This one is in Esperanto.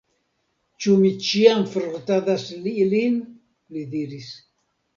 Ĉu mi ĉiam frotadas ilin? li diris.